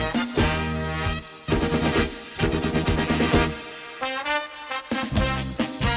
รับรับมา